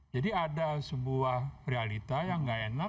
jadi ada sebuah realita yang gak enak